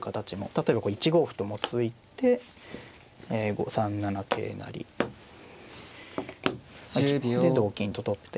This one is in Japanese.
例えば１五歩ともう突いて３七桂成で同金と取って。